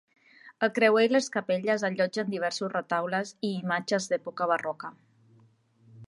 El creuer i les capelles allotgen diversos retaules i imatges d'època barroca.